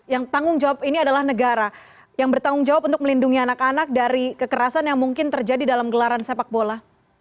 yang tanggung jawab ini adalah negara yang bertanggung jawab untuk melindungi anak anak dari kekerasan yang mungkin terjadi dalam gelaran sepak bola